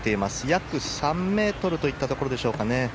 約３メートルといったところでしょうかね。